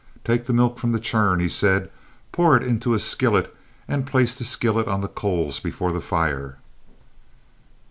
"Take the milk from the churn," he said. "Pour it into a skillet and place the skillet on the coals before the fire."